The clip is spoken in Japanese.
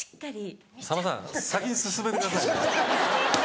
さんまさん先に進めてください。